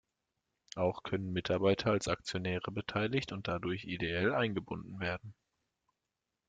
Auch können Mitarbeiter als Aktionäre beteiligt und dadurch ideell eingebunden werden.